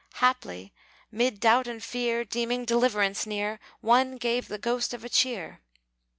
Haply 'mid doubt and fear, Deeming deliverance near (One gave the ghost of a cheer!).